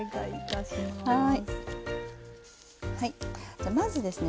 じゃまずですね